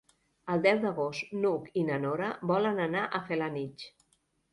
El deu d'agost n'Hug i na Nora volen anar a Felanitx.